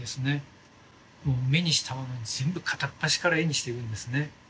もう目にしたものを全部片っ端から絵にしていくんですね。